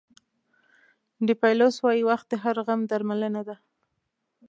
ډیپایلوس وایي وخت د هر غم درملنه ده.